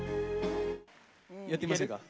やってみませんか？